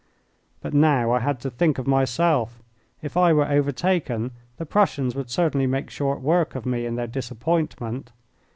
But now I had to think of myself. If I were overtaken the Prussians would certainly make short work of me in their disappointment.